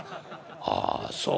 「ああそう」。